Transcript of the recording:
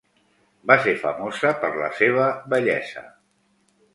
Va ser famosa per la seva bellesa.